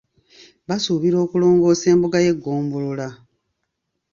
Basuubira okulongoosa embuga y’eggombolola.